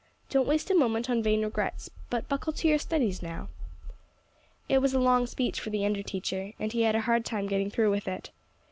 Don't waste a moment on vain regrets, but buckle to your studies now." It was a long speech for the under teacher, and he had a hard time getting through with it.